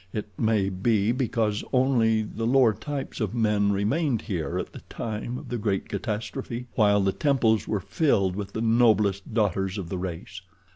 It may be because only the lower types of men remained here at the time of the great catastrophe, while the temples were filled with the noblest daughters of the race.